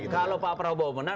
kalau pak prabowo menang